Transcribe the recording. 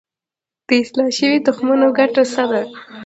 د اصلاح شویو تخمونو ګټه څه ده؟